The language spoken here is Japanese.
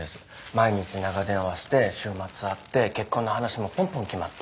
毎日長電話して週末会って結婚の話もぽんぽん決まって。